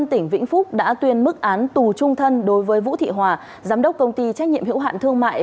tỉnh vĩnh phúc đã tuyên mức án tù trung thân đối với vũ thị hòa giám đốc công ty trách nhiệm hiệu hạn thương mại